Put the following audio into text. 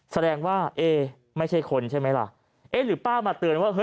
แสดงว่าเอ๊ไม่ใช่คนใช่ไหมล่ะเอ๊ะหรือป้ามาเตือนว่าเฮ